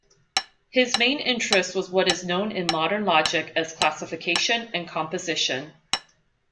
His main interest was what is known in modern logic as classification and composition.